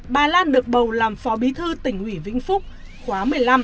bà lan được bầu làm phó bí thư tỉnh ủy vĩnh phúc khóa một mươi năm